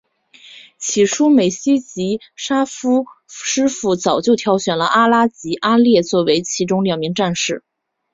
起初美希及沙夫师傅早就挑选了阿兰及阿烈作为其中两名战士。